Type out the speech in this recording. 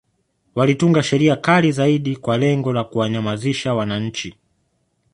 Walitunga Sheria kali zaidi kwa lengo la kuwanyamanzisha wananchi